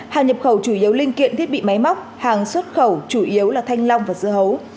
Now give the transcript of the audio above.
hàng nhập khẩu chủ yếu linh kiện thiết bị máy móc hàng xuất khẩu chủ yếu là thanh long và dưa hấu